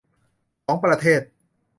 ของประเทศ